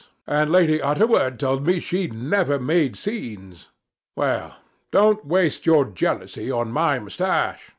And Lady Utterword told me she never made scenes. Well, don't waste your jealousy on my moustache.